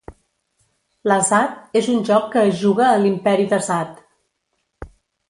L'azad és un joc que es juga a l'Imperi d'Azad.